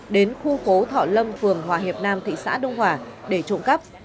đến khu phố thọ lâm phường hòa hiệp nam thị xã đông hòa để trộm cắp